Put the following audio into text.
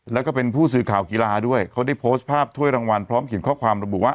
แล้วก็เป็นผู้สื่อข่าวกีฬาด้วยเขาได้โพสต์ภาพถ้วยรางวัลพร้อมเขียนข้อความระบุว่า